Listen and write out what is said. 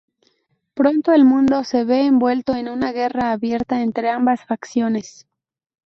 Pronto el mundo se ve envuelto en una guerra abierta entre ambas facciones.